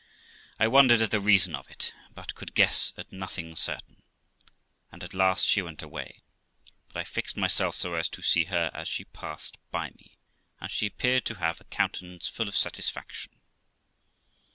I wondered at the reason of it, but could guess at nothing certain; and at last she went away, but I fixed myself so as to see her as she passed by me, and she appeared to have a countenance full of satisfaction.